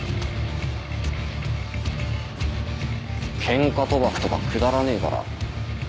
ケンカ賭博とかくだらねえから。